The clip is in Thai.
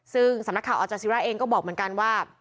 ซึ่งสำนักข่าวอาจาศิราเองก็บอกเหมือนกันว่า